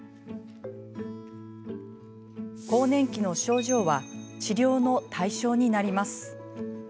更年期の症状は治療の対象になります。